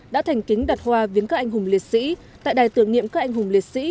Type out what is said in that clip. đã thành kính đặt hoa viến các anh hùng liệt sĩ tại đài tưởng niệm các anh hùng liệt sĩ